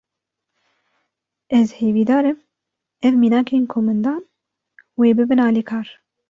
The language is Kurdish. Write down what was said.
Ez hevîdarim ev minakên ku min dan, wê bibin alîkar